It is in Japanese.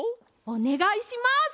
おねがいします！